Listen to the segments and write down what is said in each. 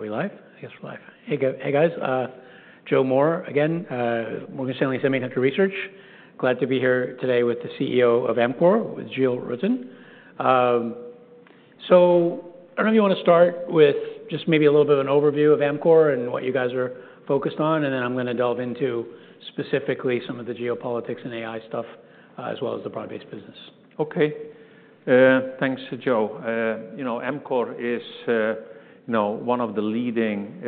Are we live? I guess we're live. Hey guys, Joe Moore again, Morgan Stanley Semiconductor Research. Glad to be here today with the CEO of Amkor, with Giel Rutten. So I don't know if you want to start with just maybe a little bit of an overview of Amkor and what you guys are focused on, and then I'm going to delve into specifically some of the geopolitics and AI stuff, as well as the broad-based business. OK, thanks, Joe. You know, Amkor is, you know, one of the leading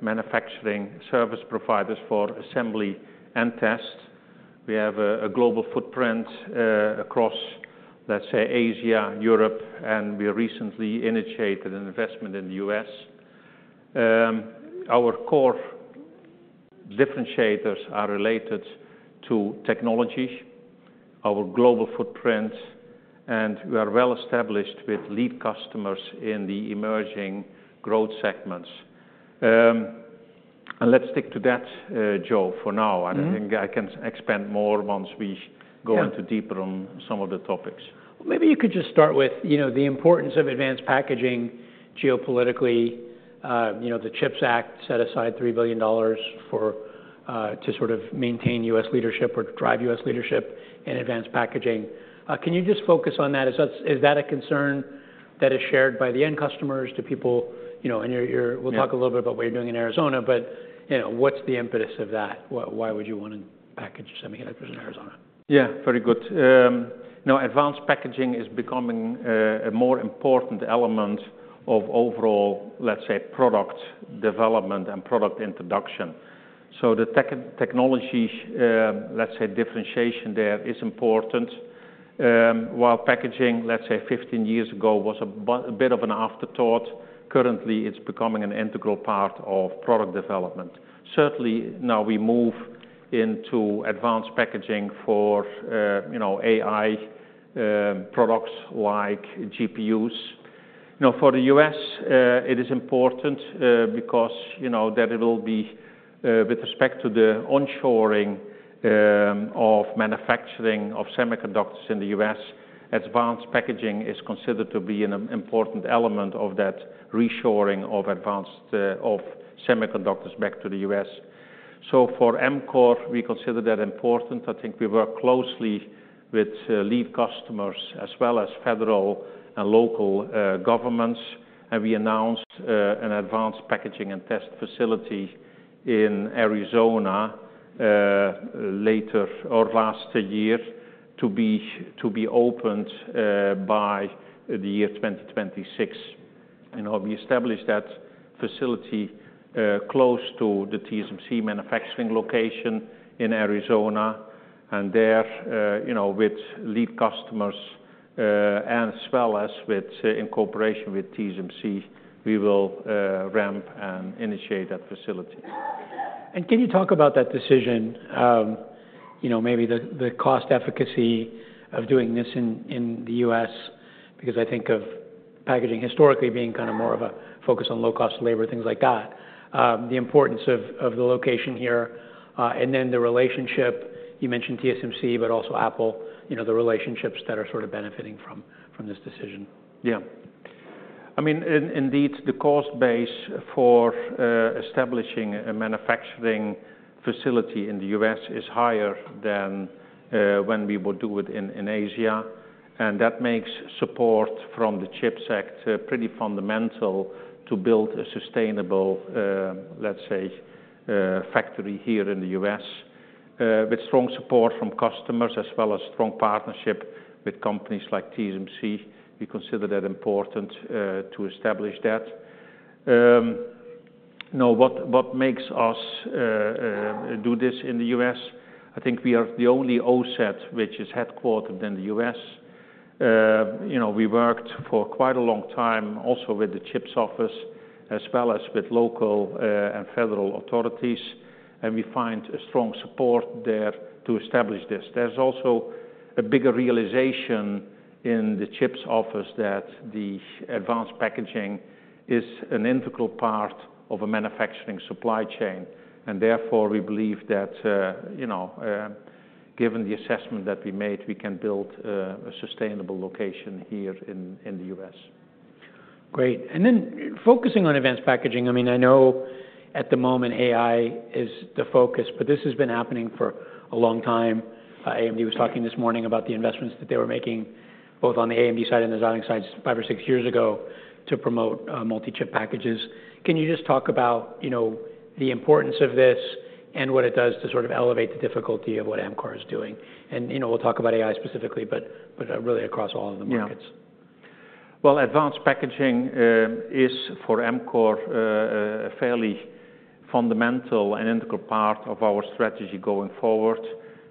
manufacturing service providers for assembly and test. We have a global footprint across, let's say, Asia, Europe, and we recently initiated an investment in the US. Our core differentiators are related to technology, our global footprint, and we are well established with lead customers in the emerging growth segments. And let's stick to that, Joe, for now. I don't think I can expand more once we go into deeper on some of the topics. Maybe you could just start with, you know, the importance of advanced packaging geopolitically. You know, the CHIPS Act set aside $3 billion for, to sort of maintain U.S. leadership or drive U.S. leadership in advanced packaging. Can you just focus on that? Is that a concern that is shared by the end customers? Do people, you know, and you, we'll talk a little bit about what you're doing in Arizona, but, you know, what's the impetus of that? Why would you want to package semiconductors in Arizona? Yeah, very good. You know, advanced packaging is becoming a more important element of overall, let's say, product development and product introduction. So the technology, let's say, differentiation there is important. While packaging, let's say, 15 years ago was a bit of an afterthought, currently it's becoming an integral part of product development. Certainly, now we move into advanced packaging for, you know, AI products like GPUs. You know, for the U.S., it is important, because, you know, that it will be, with respect to the onshoring of manufacturing of semiconductors in the U.S., advanced packaging is considered to be an important element of that reshoring of advanced, of semiconductors back to the U.S. So for Amkor, we consider that important. I think we work closely with lead customers as well as federal and local governments, and we announced an advanced packaging and test facility in Arizona later or last year to be to be opened by the year 2026. You know, we established that facility close to the TSMC manufacturing location in Arizona, and there, you know, with lead customers as well as with, in cooperation with TSMC, we will ramp and initiate that facility. Can you talk about that decision, you know, maybe the cost efficacy of doing this in the U.S.? Because I think of packaging historically being kind of more of a focus on low-cost labor, things like that. The importance of the location here, and then the relationship you mentioned TSMC, but also Apple, you know, the relationships that are sort of benefiting from this decision. Yeah. I mean, indeed, the cost base for establishing a manufacturing facility in the U.S. is higher than when we would do it in Asia, and that makes support from the CHIPS Act pretty fundamental to build a sustainable, let's say, factory here in the U.S. With strong support from customers as well as strong partnership with companies like TSMC, we consider that important to establish that. Now, what makes us do this in the U.S.? I think we are the only OSAT which is headquartered in the U.S. You know, we worked for quite a long time also with the CHIPS office as well as with local and federal authorities, and we find strong support there to establish this. There's also a bigger realization in the CHIPS office that Advanced Packaging is an integral part of a manufacturing supply chain, and therefore we believe that, you know, given the assessment that we made, we can build a sustainable location here in the U.S. Great. And then focusing on advanced packaging, I mean, I know at the moment AI is the focus, but this has been happening for a long time. AMD was talking this morning about the investments that they were making both on the AMD side and the Xilinx side five or six years ago to promote multi-chip packages. Can you just talk about, you know, the importance of this and what it does to sort of elevate the difficulty of what Amkor is doing? And, you know, we'll talk about AI specifically, but really across all of the markets. Yeah. Well, advanced packaging is for Amkor a fairly fundamental and integral part of our strategy going forward.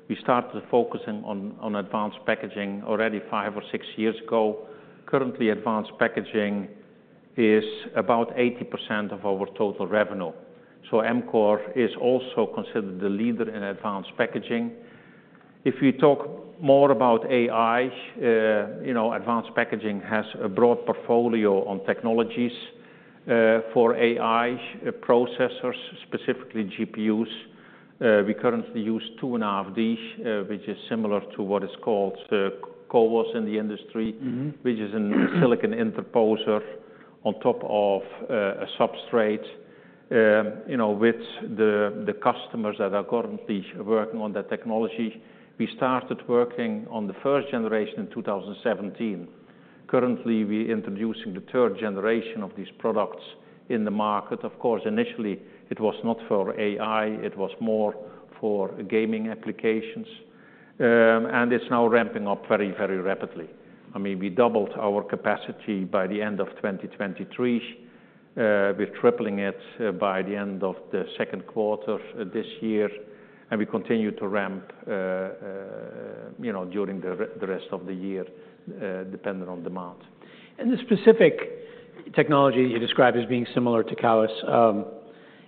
We started focusing on advanced packaging already five or six years ago. Currently, advanced packaging is about 80% of our total revenue. So Amkor is also considered the leader in advanced packaging. If we talk more about AI, you know, advanced packaging has a broad portfolio on technologies for AI processors, specifically GPUs. We currently use 2.5D, which is similar to what is called CoWoS in the industry, which is a silicon interposer on top of a substrate. You know, with the customers that are currently working on that technology, we started working on the first generation in 2017. Currently, we're introducing the third generation of these products in the market. Of course, initially it was not for AI, it was more for gaming applications. It's now ramping up very, very rapidly. I mean, we doubled our capacity by the end of 2023. We're tripling it by the end of the second quarter this year, and we continue to ramp, you know, during the rest of the year, depending on demand. The specific technology that you describe as being similar to CoWoS,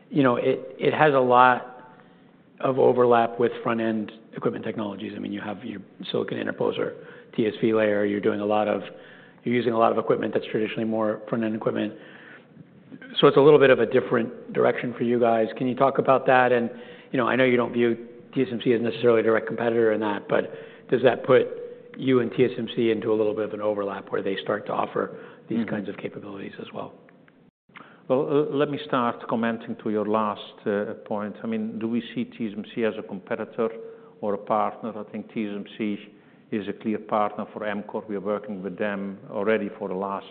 you know, it has a lot of overlap with front-end equipment technologies. I mean, you have your silicon interposer, TSV layer, you're using a lot of equipment that's traditionally more front-end equipment. So it's a little bit of a different direction for you guys. Can you talk about that? And, you know, I know you don't view TSMC as necessarily a direct competitor in that, but does that put you and TSMC into a little bit of an overlap where they start to offer these kinds of capabilities as well? Well, let me start commenting to your last point. I mean, do we see TSMC as a competitor or a partner? I think TSMC is a clear partner for Amkor. We are working with them already for the last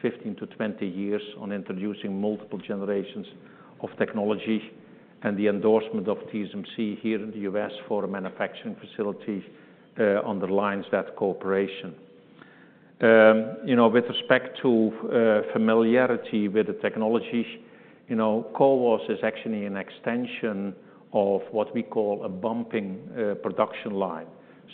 15 years-20 years on introducing multiple generations of technology, and the endorsement of TSMC here in the U.S. for a manufacturing facility underlines that cooperation. You know, with respect to familiarity with the technology, you know, CoWoS is actually an extension of what we call a bumping production line.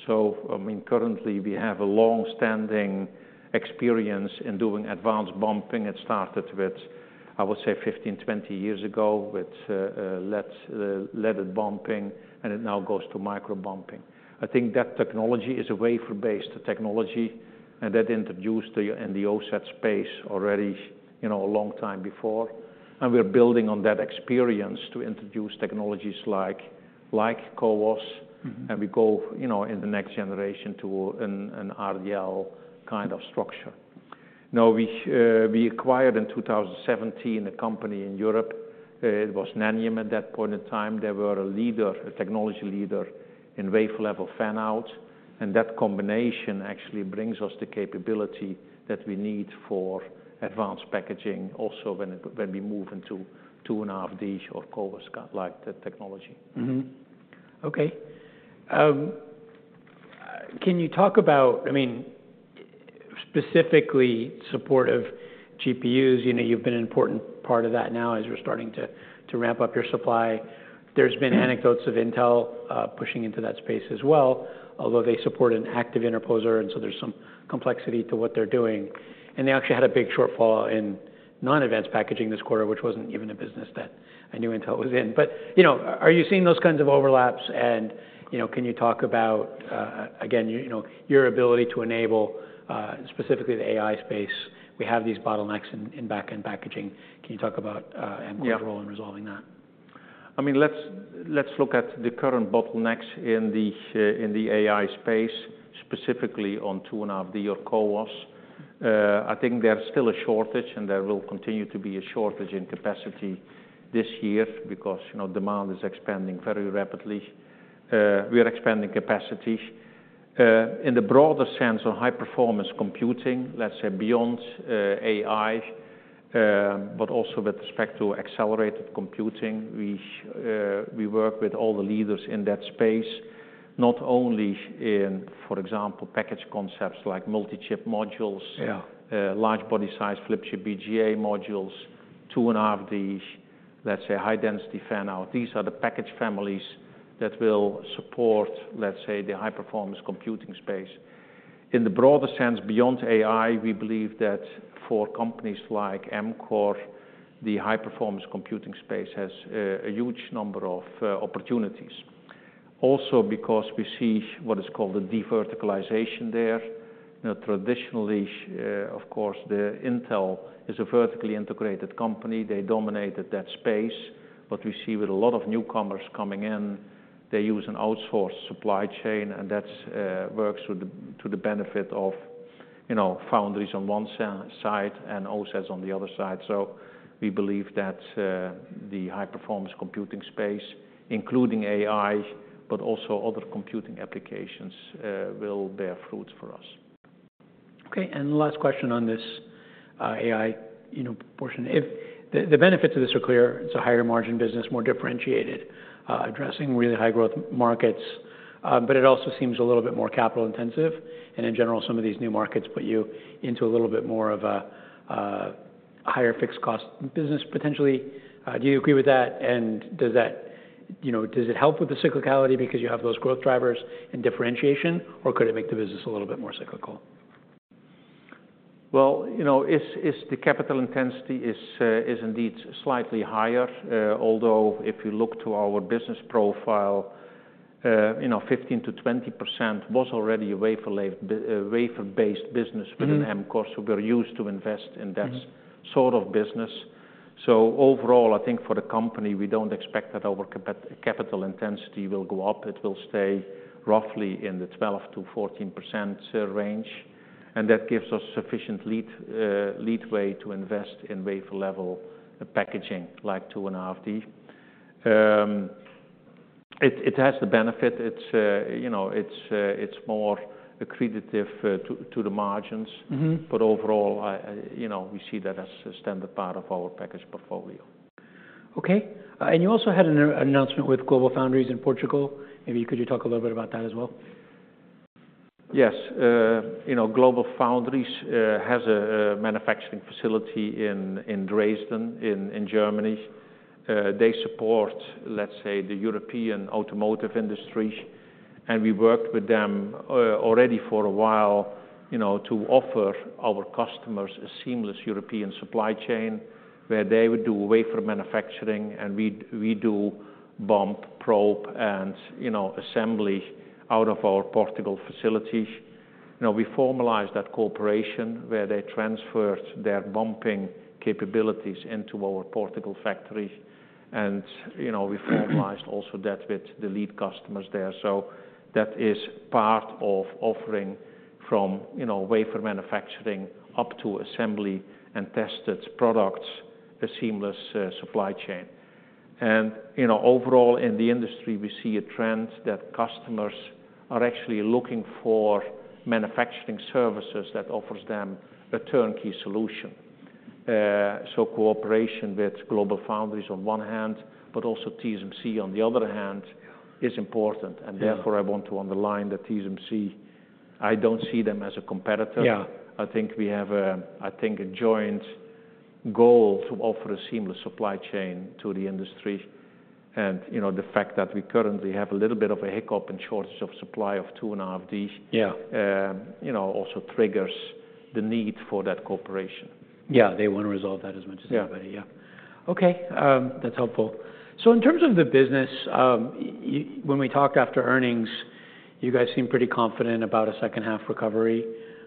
So, I mean, currently we have a longstanding experience in doing advanced bumping. It started with, I would say, 15 years-20 years ago with leaded bumping, and it now goes to micro bumping. I think that technology is a wafer-based technology, and that introduced in the OSAT space already, you know, a long time before. And we're building on that experience to introduce technologies like CoWoS, and we go, you know, in the next generation to an RDL kind of structure. Now, we acquired in 2017 a company in Europe. It was Nanium at that point in time. They were a leader, a technology leader in wafer level fan out, and that combination actually brings us the capability that we need for advanced packaging also when we move into 2.5D or CoWoS-like technology. OK. Can you talk about, I mean, specifically support of GPUs? You know, you've been an important part of that now as we're starting to ramp up your supply. There's been anecdotes of Intel pushing into that space as well, although they support an active interposer, and so there's some complexity to what they're doing. And they actually had a big shortfall in non-advanced packaging this quarter, which wasn't even a business that I knew Intel was in. But, you know, are you seeing those kinds of overlaps, and, you know, can you talk about, again, your ability to enable, specifically the AI space? We have these bottlenecks in back-end packaging. Can you talk about Amkor's role in resolving that? I mean, let's look at the current bottlenecks in the AI space, specifically on 2.5D or CoWoS. I think there's still a shortage, and there will continue to be a shortage in capacity this year because, you know, demand is expanding very rapidly. We are expanding capacity. In the broader sense of high-performance computing, let's say beyond AI, but also with respect to accelerated computing, we work with all the leaders in that space, not only in, for example, package concepts like multi-chip modules, large body sized flip-chip BGA modules, 2.5D, let's say high-density fan-out. These are the package families that will support, let's say, the high-performance computing space. In the broader sense, beyond AI, we believe that for companies like Amkor, the high-performance computing space has a huge number of opportunities. Also because we see what is called the de-verticalization there. Traditionally, of course, Intel is a vertically integrated company. They dominated that space. What we see with a lot of newcomers coming in, they use an outsourced supply chain, and that works to the benefit of, you know, foundries on one side and OSATs on the other side. So we believe that the high-performance computing space, including AI, but also other computing applications, will bear fruits for us. OK. And last question on this AI, you know, portion. If the benefits of this are clear, it's a higher-margin business, more differentiated, addressing really high-growth markets, but it also seems a little bit more capital-intensive, and in general some of these new markets put you into a little bit more of a higher fixed-cost business potentially. Do you agree with that? And does that, you know, does it help with the cyclicality because you have those growth drivers and differentiation, or could it make the business a little bit more cyclical? Well, you know, the capital intensity is indeed slightly higher, although if you look to our business profile, you know, 15%-20% was already a wafer-based business within Amkor, so we're used to invest in that sort of business. So overall, I think for the company we don't expect that our capital intensity will go up. It will stay roughly in the 12%-14% range, and that gives us sufficient leeway to invest in wafer-level packaging like 2.5D. It has the benefit. It's, you know, it's more accretive to the margins, but overall, you know, we see that as a standard part of our package portfolio. OK. And you also had an announcement with GlobalFoundries in Portugal. Maybe could you talk a little bit about that as well? Yes. You know, GlobalFoundries has a manufacturing facility in Dresden in Germany. They support, let's say, the European automotive industry, and we worked with them already for a while, you know, to offer our customers a seamless European supply chain where they would do wafer manufacturing, and we do bump, probe, and, you know, assembly out of our Portugal facility. You know, we formalized that cooperation where they transferred their bumping capabilities into our Portugal factory, and, you know, we formalized also that with the lead customers there. So that is part of offering from, you know, wafer manufacturing up to assembly and tested products, a seamless supply chain. And, you know, overall in the industry we see a trend that customers are actually looking for manufacturing services that offer them a turnkey solution. So cooperation with GlobalFoundries on one hand, but also TSMC on the other hand, is important, and therefore I want to underline that TSMC I don't see them as a competitor. I think we have, I think, a joint goal to offer a seamless supply chain to the industry, and, you know, the fact that we currently have a little bit of a hiccup and shortage of supply of 2.5D, you know, also triggers the need for that cooperation. Yeah. They want to resolve that as much as anybody. Yeah. OK. That's helpful. So in terms of the business, when we talked after earnings, you guys seem pretty confident about a second-half recovery.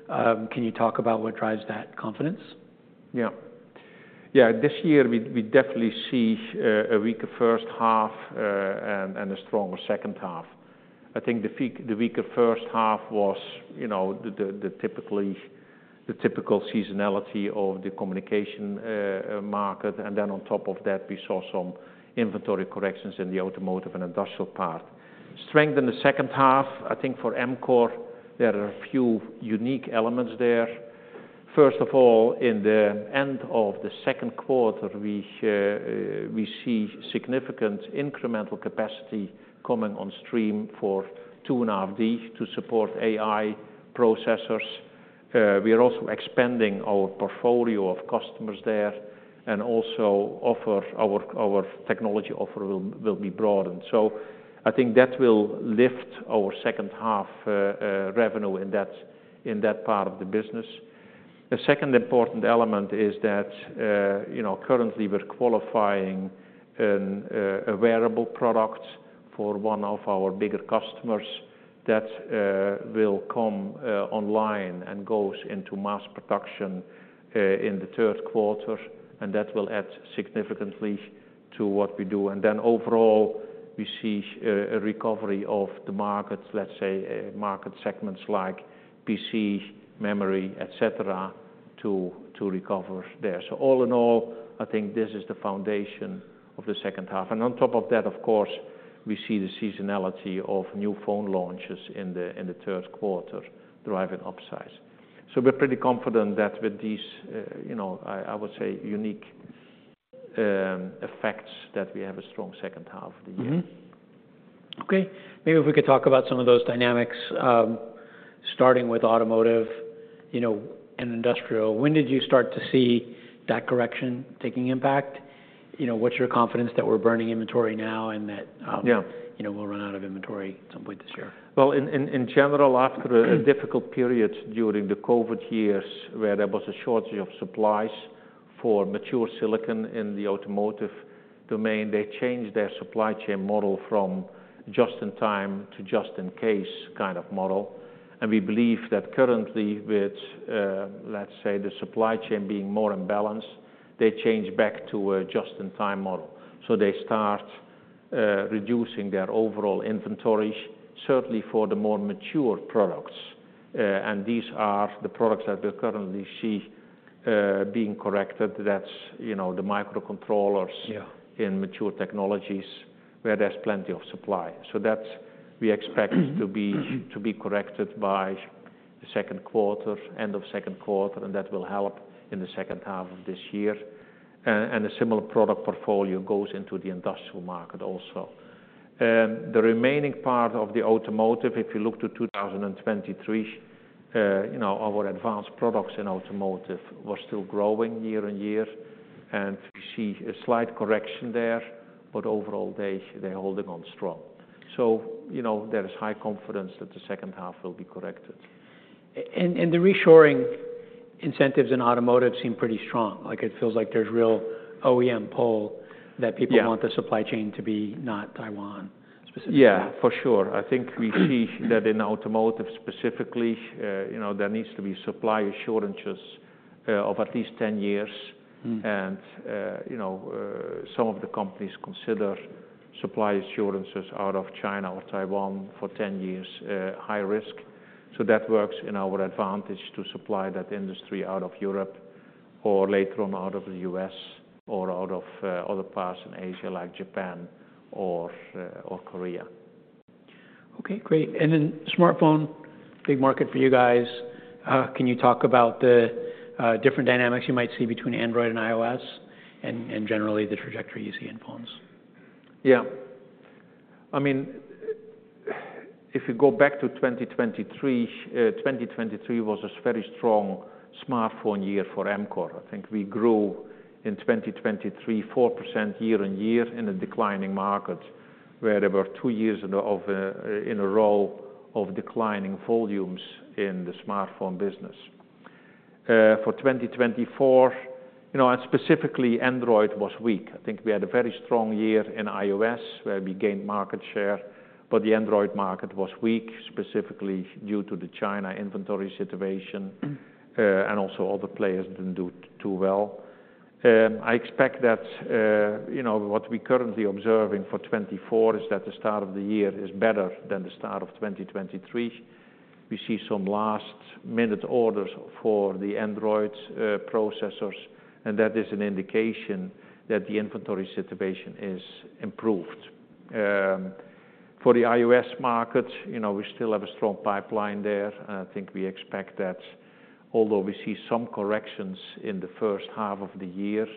Can you talk about what drives that confidence? Yeah. Yeah. This year we definitely see a weaker first half and a stronger second half. I think the weaker first half was, you know, the typical seasonality of the communication market, and then on top of that we saw some inventory corrections in the automotive and industrial part. Strength in the second half, I think for Amkor, there are a few unique elements there. First of all, in the end of the second quarter we see significant incremental capacity coming on stream for 2.5D to support AI processors. We are also expanding our portfolio of customers there and also offer our technology offer will be broadened. So I think that will lift our second-half revenue in that part of the business. A second important element is that, you know, currently we're qualifying a wearable product for one of our bigger customers that will come online and goes into mass production in the third quarter, and that will add significantly to what we do. And then overall we see a recovery of the markets, let's say market segments like PC, memory, et cetera, to recover there. So all in all, I think this is the foundation of the second half. And on top of that, of course, we see the seasonality of new phone launches in the third quarter driving upside. So we're pretty confident that with these, you know, I would say unique effects that we have a strong second half of the year. OK. Maybe if we could talk about some of those dynamics, starting with automotive, you know, and industrial. When did you start to see that correction taking impact? You know, what's your confidence that we're burning inventory now and that, you know, we'll run out of inventory at some point this year? Well, in general, after a difficult period during the COVID years where there was a shortage of supplies for mature silicon in the automotive domain, they changed their supply chain model from just in time to just in case kind of model. And we believe that currently with, let's say, the supply chain being more imbalanced, they change back to a just-in-time model. So they start reducing their overall inventories, certainly for the more mature products, and these are the products that we currently see being corrected. That's, you know, the microcontrollers in mature technologies where there's plenty of supply. So that's we expect to be corrected by the second quarter, end of second quarter, and that will help in the second half of this year. And a similar product portfolio goes into the industrial market also. The remaining part of the automotive, if you look to 2023, you know, our advanced products in automotive were still growing year-over-year, and we see a slight correction there, but overall they're holding on strong. So, you know, there is high confidence that the second half will be corrected. The reshoring incentives in automotive seem pretty strong. Like, it feels like there's real OEM pull that people want the supply chain to be not Taiwan specifically. Yeah. For sure. I think we see that in automotive specifically, you know, there needs to be supply assurances of at least 10 years, and, you know, some of the companies consider supply assurances out of China or Taiwan for 10 years high risk. So that works in our advantage to supply that industry out of Europe or later on out of the U.S. or out of other parts in Asia like Japan or Korea. OK. Great. And then smartphone, big market for you guys. Can you talk about the different dynamics you might see between Android and iOS, and generally the trajectory you see in phones? Yeah. I mean, if you go back to 2023, 2023 was a very strong smartphone year for Amkor. I think we grew in 2023 4% year over year in a declining market where there were two years in a row of declining volumes in the smartphone business. For 2024, you know, and specifically Android was weak. I think we had a very strong year in iOS where we gained market share, but the Android market was weak, specifically due to the China inventory situation and also other players didn't do too well. I expect that, you know, what we're currently observing for 2024 is that the start of the year is better than the start of 2023. We see some last-minute orders for the Android processors, and that is an indication that the inventory situation is improved. For the iOS market, you know, we still have a strong pipeline there, and I think we expect that, although we see some corrections in the first half of the year,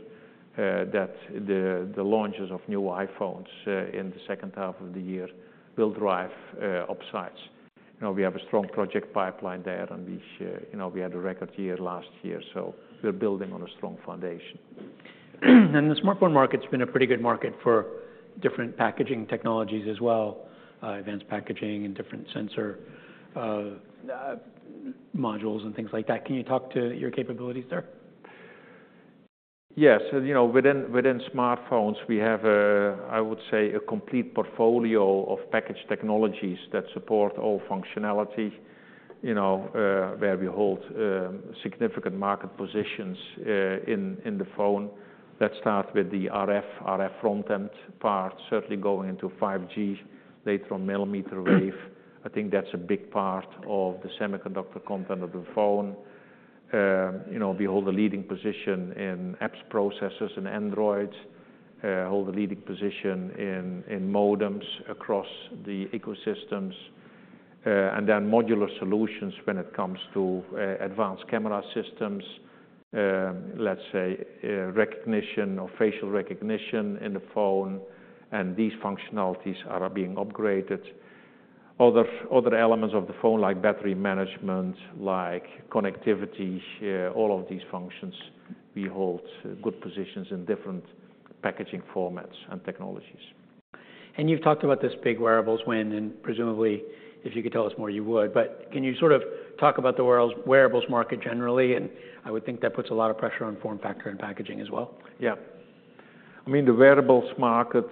that the launches of new iPhones in the second half of the year will drive upsides. You know, we have a strong project pipeline there, and we, you know, we had a record year last year, so we're building on a strong foundation. The smartphone market's been a pretty good market for different packaging technologies as well, advanced packaging and different sensor modules and things like that. Can you talk to your capabilities there? Yes. You know, within smartphones we have, I would say, a complete portfolio of package technologies that support all functionality, you know, where we hold significant market positions in the phone. That starts with the RF, RF front-end part, certainly going into 5G, later on millimeter wave. I think that's a big part of the semiconductor content of the phone. You know, we hold a leading position in apps processors in Android, hold a leading position in modems across the ecosystems, and then modular solutions when it comes to advanced camera systems, let's say recognition or facial recognition in the phone, and these functionalities are being upgraded. Other elements of the phone, like battery management, like connectivity, all of these functions, we hold good positions in different packaging formats and technologies. You've talked about this big wearables when, and presumably if you could tell us more you would, but can you sort of talk about the wearables market generally? I would think that puts a lot of pressure on form factor and packaging as well. Yeah. I mean, the wearables market,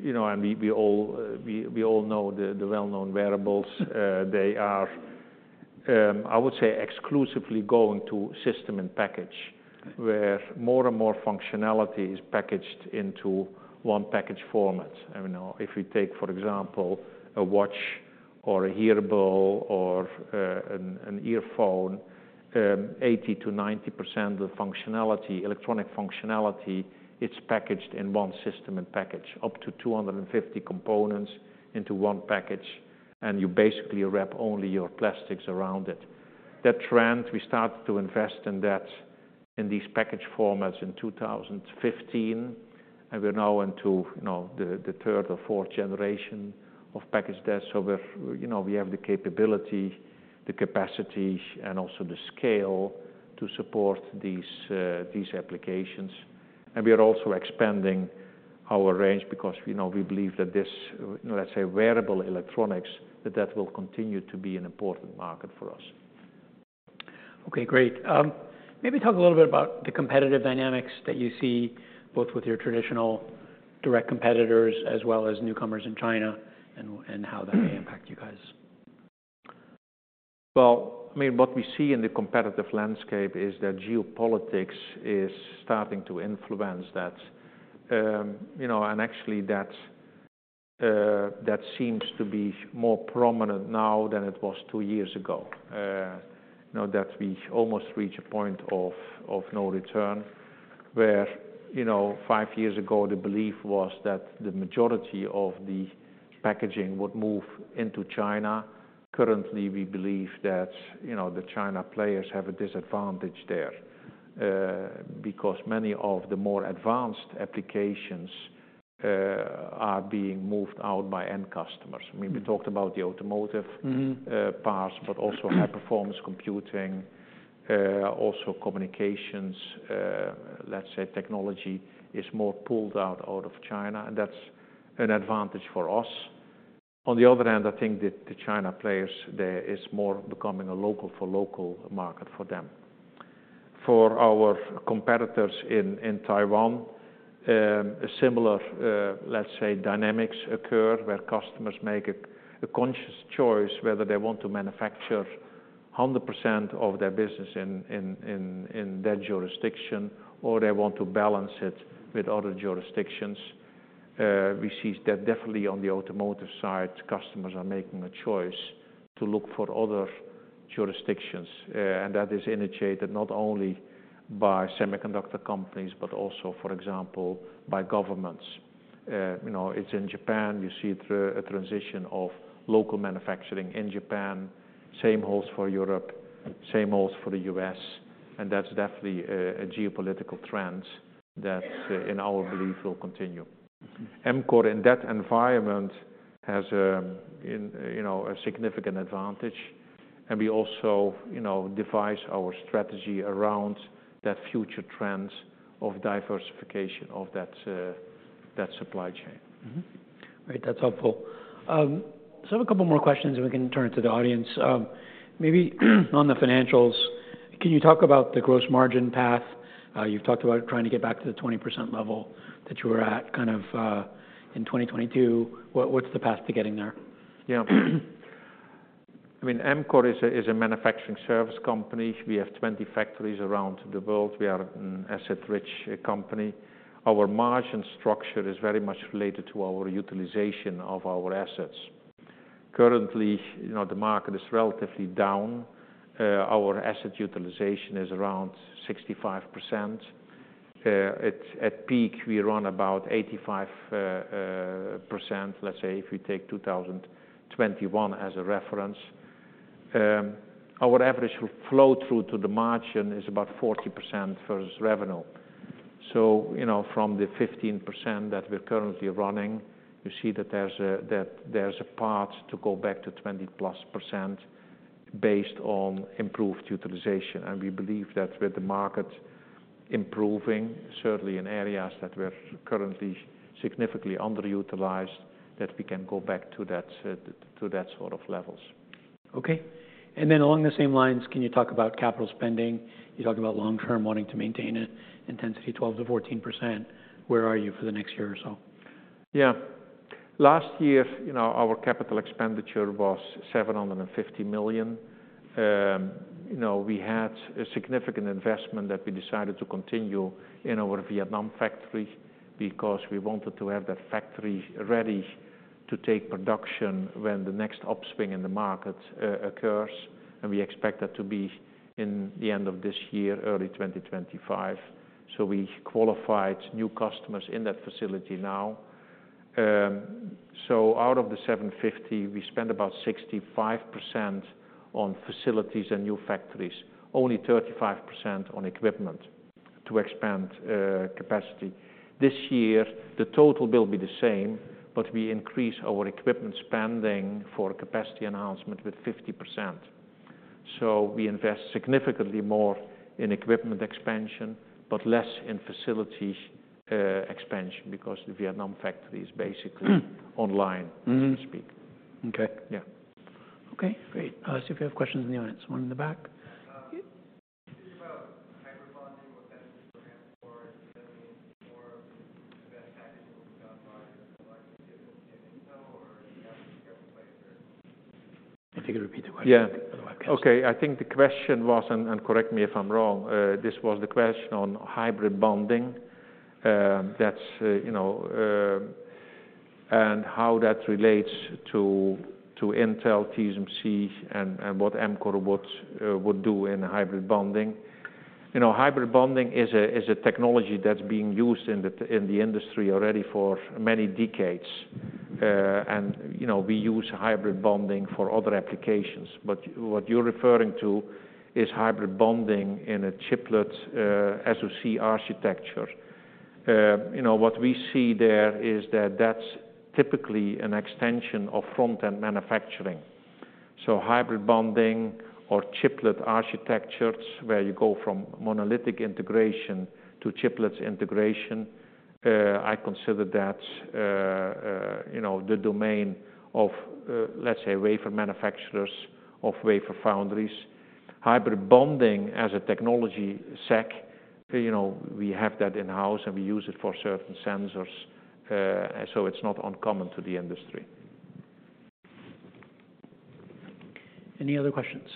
you know, and we all know the well-known wearables, they are, I would say, exclusively going to System-in-Package, where more and more functionality is packaged into one package format. You know, if you take, for example, a watch or a hearable or an earphone, 80%-90% of the functionality, electronic functionality, it's packaged in one System-in-Package, up to 250 components into one package, and you basically wrap only your plastics around it. That trend, we started to invest in that in these package formats in 2015, and we're now into, you know, the third or fourth generation of package devs. So we have the capability, the capacity, and also the scale to support these applications. We are also expanding our range because, you know, we believe that this, let's say, wearable electronics, that that will continue to be an important market for us. OK. Great. Maybe talk a little bit about the competitive dynamics that you see both with your traditional direct competitors as well as newcomers in China and how that may impact you guys. Well, I mean, what we see in the competitive landscape is that geopolitics is starting to influence that, you know, and actually that seems to be more prominent now than it was two years ago. You know, that we almost reach a point of no return where, you know, five years ago the belief was that the majority of the packaging would move into China. Currently we believe that, you know, the China players have a disadvantage there because many of the more advanced applications are being moved out by end customers. I mean, we talked about the automotive parts, but also high-performance computing, also communications, let's say, technology is more pulled out of China, and that's an advantage for us. On the other hand, I think that the China players there is more becoming a local for local market for them. For our competitors in Taiwan, a similar, let's say, dynamics occur where customers make a conscious choice whether they want to manufacture 100% of their business in that jurisdiction or they want to balance it with other jurisdictions. We see that definitely on the automotive side, customers are making a choice to look for other jurisdictions, and that is initiated not only by semiconductor companies, but also, for example, by governments. You know, it's in Japan. You see a transition of local manufacturing in Japan. Same holds for Europe. Same holds for the U.S. And that's definitely a geopolitical trend that, in our belief, will continue. Amkor, in that environment, has, you know, a significant advantage, and we also, you know, devise our strategy around that future trend of diversification of that supply chain. Great. That's helpful. So I have a couple more questions and we can turn it to the audience. Maybe on the financials, can you talk about the gross margin path? You've talked about trying to get back to the 20% level that you were at kind of in 2022. What's the path to getting there? Yeah. I mean, Amkor is a manufacturing service company. We have 20 factories around the world. We are an asset-rich company. Our margin structure is very much related to our utilization of our assets. Currently, you know, the market is relatively down. Our asset utilization is around 65%. At peak we run about 85%, let's say, if you take 2021 as a reference. Our average flow-through to the margin is about 40% versus revenue. So, you know, from the 15% that we're currently running, you see that there's a path to go back to 20%+ based on improved utilization. We believe that with the market improving, certainly in areas that we're currently significantly underutilized, that we can go back to that sort of levels. OK. And then along the same lines, can you talk about capital spending? You talked about long-term wanting to maintain an intensity of 12%-14%. Where are you for the next year or so? Yeah. Last year, you know, our capital expenditure was $750 million. You know, we had a significant investment that we decided to continue in our Vietnam factory because we wanted to have that factory ready to take production when the next upswing in the market occurs, and we expect that to be in the end of this year, early 2025. So we qualified new customers in that facility now. So out of the $750, we spend about 65% on facilities and new factories, only 35% on equipment to expand capacity. This year the total bill will be the same, but we increase our equipment spending for capacity enhancement with 50%. So we invest significantly more in equipment expansion, but less in facilities expansion because the Vietnam factory is basically online, so to speak. OK. Yeah. OK. Great. Let's see if we have questions in the audience. One in the back. Is it about hybrid bonding, what that means for Amkor, does that mean more of advanced packaging will be done by the largest IDMs like Intel, or do you have to go with TSMC or? If you could repeat the question for the webcast. Yeah. OK. I think the question was, and correct me if I'm wrong, this was the question on hybrid bonding. That's, you know, and how that relates to Intel, TSMC, and what Amkor would do in hybrid bonding. You know, hybrid bonding is a technology that's being used in the industry already for many decades, and, you know, we use hybrid bonding for other applications. But what you're referring to is hybrid bonding in a chiplet SoC architecture. You know, what we see there is that that's typically an extension of front-end manufacturing. So hybrid bonding or chiplet architectures, where you go from monolithic integration to chiplets integration, I consider that, you know, the domain of, let's say, wafer manufacturers or wafer foundries. Hybrid bonding as a technology, tech, you know, we have that in-house and we use it for certain sensors, so it's not uncommon to the industry. Any other questions?